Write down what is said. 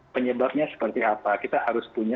penyebabnya seperti apa kita harus punya